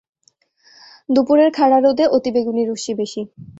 দুপুরের খাড়া রোদে অতিবেগুনি রশ্মি বেশি।